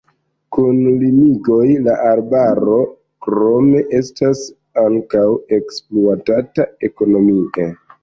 Kun limigoj la arbaro krome estas ankaŭ ekspluatata ekonomie.